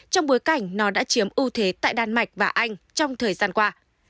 trong bối cảnh nó đã chiếm ưu thế tại đan mạch và anh trong thời gian qua